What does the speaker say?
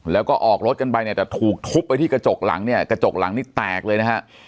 แล้วก็ออกรถกันไปเนี่ยแต่ถูกทุบไปที่กระจกหลังเนี่ยกระจกหลังนี่แตกเลยนะฮะ